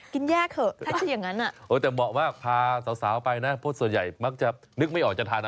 กินแยกเถอะถ้าที่อย่างนั้น